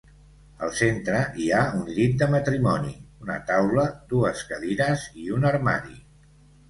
Al centre hi ha un llit de matrimoni, una taula, dues cadires i un armari.